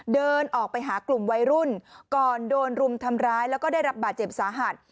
เดินออกไปหากลุ่มวัยรุ่นก่อนโดนรุมทำร้ายแล้วก็ได้รับบาดเจ็บสาหัส